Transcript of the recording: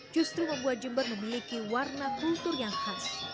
justru membuat jember memiliki warna kultur yang khas